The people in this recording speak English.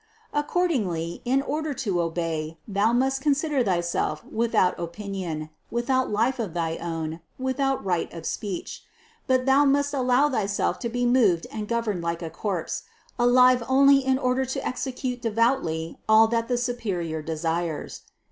Accordingly, in order to obey, thou must consider thyself without opinion, without life of thy own, without right of speech ; but thou must allow thyself to be moved and governed like a corpse, alive only in order to execute devotedly all that the superior desires.